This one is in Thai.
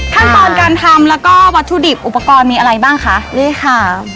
ขั้นตอนการทำแล้วก็วัตถุดิบอุปกรณ์มีอะไรบ้างคะได้ค่ะ